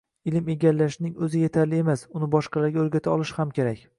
Ilm egallashning o‘zi yetarli emas, uni boshqalarga o‘rgata olish ham kerak.